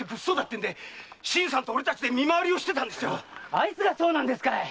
あいつがそうなんですかい。